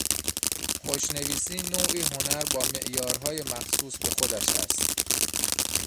خوشنویسی نوعی هنر با معیارهای مخصوص به خودش است.